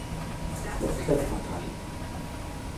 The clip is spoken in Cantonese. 綠色物體